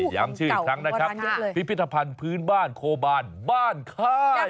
ย้ำชื่ออีกครั้งนะครับพิพิธภัณฑ์พื้นบ้านโคบานบ้านค่าย